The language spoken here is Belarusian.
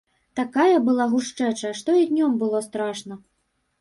Такая была гушчэча, што і днём было страшна.